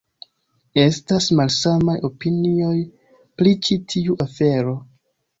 Estas malsamaj opinioj pri ĉi tiu afero.